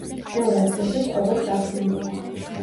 ბევრ ადგილზე წყობაც გახსნილია.